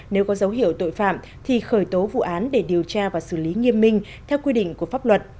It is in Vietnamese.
nếu có dấu hiệu tội phạm thì khởi tố vụ án để điều tra và xử lý nghiêm minh theo quy định của pháp luật